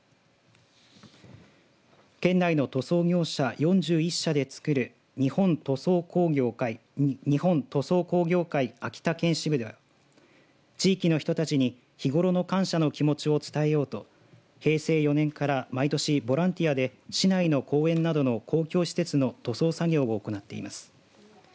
県内の塗装業者４１社でつくる日本塗装工業会秋田県支部は地域の人たちに日頃の感謝の気持ちを伝えようと平成４年から毎年ボランティアで市内の公園などの公共施設の塗装作業を行っています。